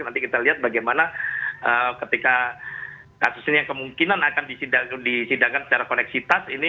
nanti kita lihat bagaimana ketika kasus ini yang kemungkinan akan disidangkan secara koneksitas